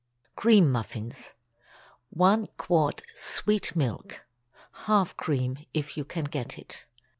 CREAM MUFFINS. ✠ 1 quart sweet milk (half cream, if you can get it).